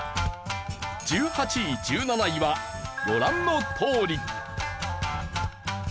１８位１７位はご覧のとおり。